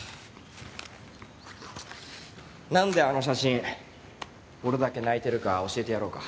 なんであの写真俺だけ泣いてるか教えてやろうか。